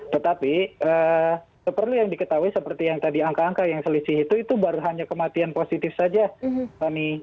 tetapi seperti yang diketahui seperti yang tadi angka angka yang selisih itu itu baru hanya kematian positif saja